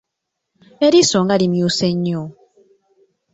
Eriiso nga limyuse nnyo?